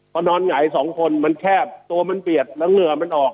พอนอนหงายสองคนมันแคบตัวมันเปียกแล้วเหงื่อมันออก